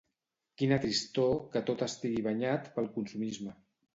Quina tristor que tot estigui banyat pel consumisme.